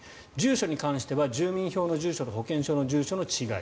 住所に関しては住民票の住所と保険証の住所の違い